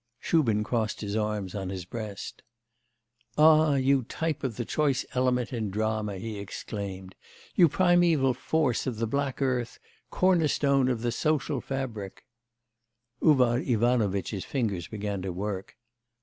Shubin crossed his arms on his breast. 'Ah, you type of the choice element in drama,' he exclaimed, 'you primeval force of the black earth, cornerstone of the social fabric!' Uvar Ivanovitch's fingers began to work.